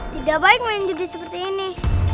tidak baik main judi seperti ini